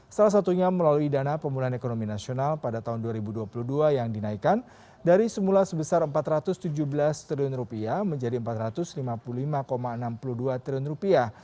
salah satunya melalui dana pemulihan ekonomi nasional pada tahun dua ribu dua puluh dua yang dinaikkan dari semula sebesar empat ratus tujuh belas triliun rupiah menjadi empat ratus lima puluh lima enam puluh dua triliun rupiah